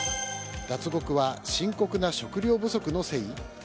脱獄は深刻な食糧不足のせい？